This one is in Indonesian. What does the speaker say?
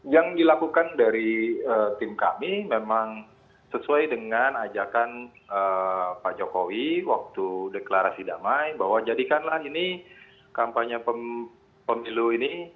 yang dilakukan dari tim kami memang sesuai dengan ajakan pak jokowi waktu deklarasi damai bahwa jadikanlah ini kampanye pemilu ini